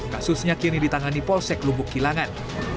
kasusnya kini ditangani polsek lubuk kilangan